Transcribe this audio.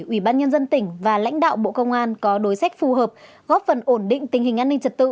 ủy ban nhân dân tỉnh và lãnh đạo bộ công an có đối sách phù hợp góp phần ổn định tình hình an ninh trật tự